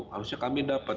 harusnya kami dapat